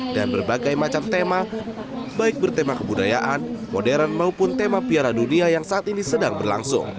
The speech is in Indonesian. berbagai macam tema baik bertema kebudayaan modern maupun tema piala dunia yang saat ini sedang berlangsung